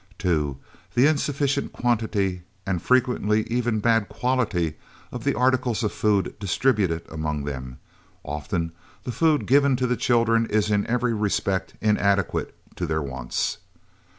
2. The insufficient quantity and frequently even bad quality of articles of food distributed among them. Often the food given to the children is in every respect inadequate to their wants.